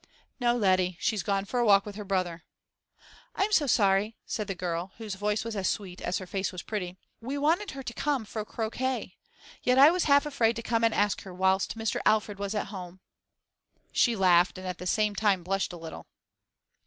'No, Letty; she's gone for a walk with her brother.' 'I'm so sorry!' said the girl, whose voice was as sweet as her face was pretty. 'We wanted her to come for croquet. Yet I was half afraid to come and ask her whilst Mr. Alfred was at home.' She laughed, and at the same time blushed a little.